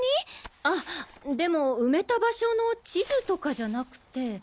あっでも埋めた場所の地図とかじゃなくて。